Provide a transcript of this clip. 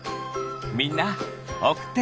みんなおくってね。